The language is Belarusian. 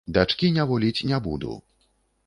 Дачкі няволіць не буду.